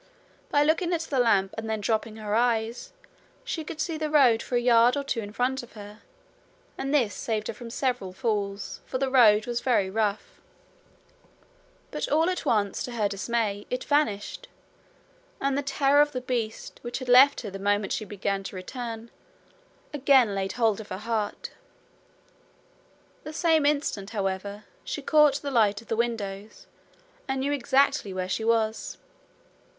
By looking at the lamp and then dropping her eyes, she could see the road for a yard or two in front of her, and this saved her from several falls, for the road was very rough. But all at once, to her dismay, it vanished, and the terror of the beast, which had left her the moment she began to return, again laid hold of her heart. The same instant, however, she caught the light of the windows, and knew exactly where she was.